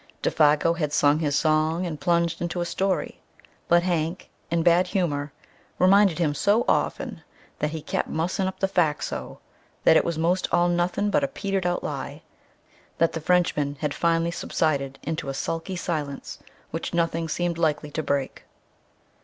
Défago had sung his song and plunged into a story, but Hank, in bad humor, reminded him so often that "he kep' mussing up the fac's so, that it was 'most all nothin' but a petered out lie," that the Frenchman had finally subsided into a sulky silence which nothing seemed likely to break.